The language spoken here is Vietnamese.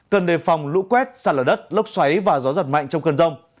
cần đề phòng lũ quét xa lở đất lốc xoáy và gió giật mạnh trong cơn rông